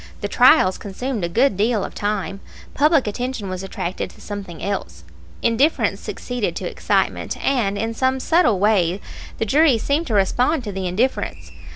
The trials consumed a good deal of time. Public attention was attracted to something else. Indifference succeeded to excitement, and in some subtle way the juries seemed to respond to the indifference.